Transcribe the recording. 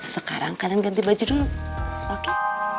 sekarang kadang ganti baju dulu oke